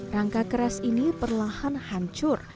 rangka keras ini perlahan hancur